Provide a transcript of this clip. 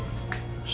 lewat pengacara pak